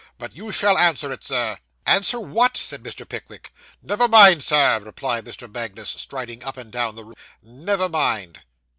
'But you shall answer it, Sir.' 'Answer what?' said Mr. Pickwick. 'Never mind, sir,' replied Mr. Magnus, striding up and down the room. 'Never mind.